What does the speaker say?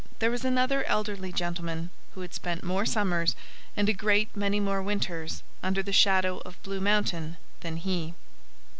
There was another elderly gentleman who had spent more summers and a great many more winters under the shadow of Blue Mountain than he.